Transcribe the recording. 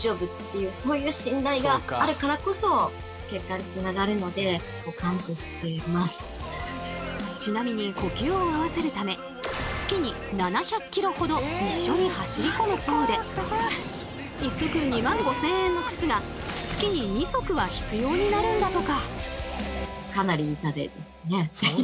いうそういう信頼があるからこそちなみに呼吸を合わせるため月に７００ｋｍほど一緒に走り込むそうで１足２万５，０００円の靴が月に２足は必要になるんだとか。